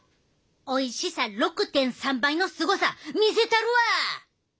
おいしさ６．３倍のすごさ見せたるわ！